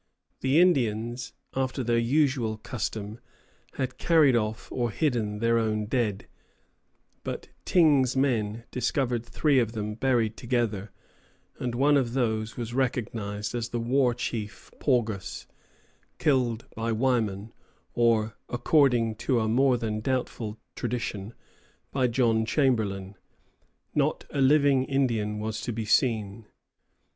The Indians, after their usual custom, had carried off or hidden their own dead; but Tyng's men discovered three of them buried together, and one of these was recognized as the war chief Paugus, killed by Wyman, or, according to a more than doubtful tradition, by John Chamberlain. Not a living Indian was to be seen.